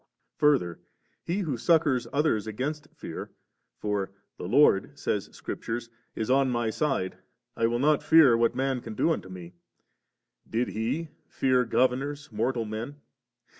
Further, He who succours others against fear (for ' the Lord,* says Scripture, ' is on my side, I will not fear what man shall do unto me^'), did He fear governors, mortal men